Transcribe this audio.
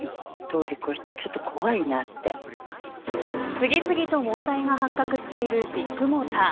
次々と問題が発覚しているビッグモーター。